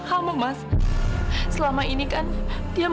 kok didorong sih bu